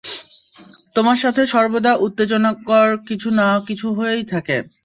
তোমার সাথে সর্বদা উত্তেজনকর কিছু না কিছু হয়েই থাকে।